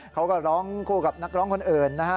เขาก็ร้องคู่กับนักร้องคนอื่นนะฮะ